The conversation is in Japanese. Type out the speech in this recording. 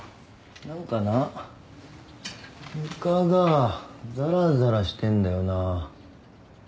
何かな床がざらざらしてんだよな。